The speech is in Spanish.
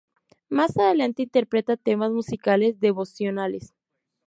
Más adelante interpreta temas musicales devocionales.